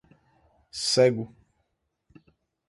cego